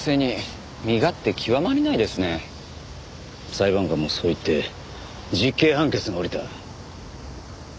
裁判官もそう言って実刑判決が下りた。